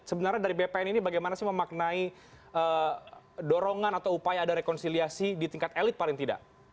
sebenarnya dari bpn ini bagaimana sih memaknai dorongan atau upaya ada rekonsiliasi di tingkat elit paling tidak